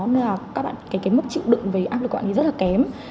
nên là các bạn cái mức chịu đựng về áp lực của bạn thì rất là kém